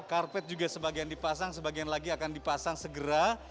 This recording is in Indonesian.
karpet juga sebagian dipasang sebagian lagi akan dipasang segera